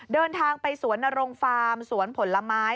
เดินทางไปสวนนรงฟาร์มสวนผลไม้